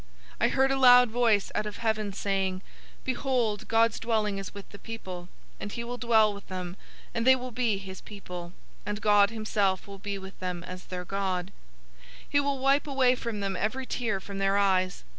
021:003 I heard a loud voice out of heaven saying, "Behold, God's dwelling is with people, and he will dwell with them, and they will be his people, and God himself will be with them as their God. 021:004 He will wipe away from them every tear from their eyes.